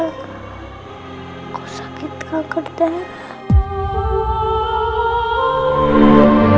aku sakit kanker darah